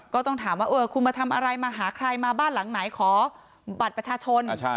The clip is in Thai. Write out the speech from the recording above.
ก็ต้องถามว่าคุณมาทำอะไรมาหาใครมาบ้านหลังไหนขอบัตรประชาชน